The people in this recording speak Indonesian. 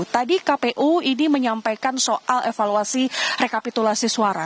tadi kpu ini menyampaikan soal evaluasi rekapitulasi suara